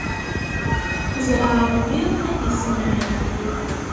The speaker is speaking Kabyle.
Zreɛ Ṛebbi ad d-issemɣi!